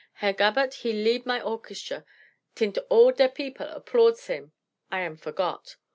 Herr Gabert he lead my orchestra tint all der people applauds him. I am forgot.